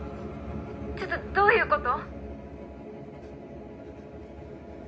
ちょっとどういうこと？